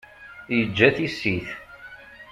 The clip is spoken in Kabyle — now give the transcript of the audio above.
Yeǧǧa tissit.